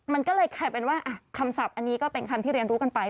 มันก็เลยกลายเป็นว่าคำศัพท์อันนี้ก็เป็นคำที่เรียนรู้กันไป